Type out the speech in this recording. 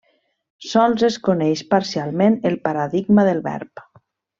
Sols es coneix parcialment el paradigma del verb.